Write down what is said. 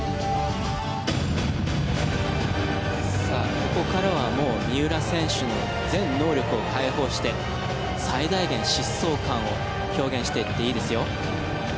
ここからはもう三浦選手の全能力を開放して最大限疾走感を表現していっていいですよ。